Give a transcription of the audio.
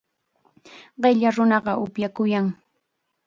Qilla nunaqa upyakunllam.